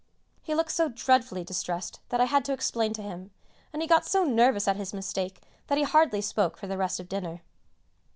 He looked so dreadfully distressed that I had to explain to him; and he got so nervous at his mistake that he hardly spoke for the rest of dinner.